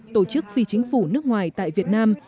tổ chức phi chính phủ nước ngoài tại việt nam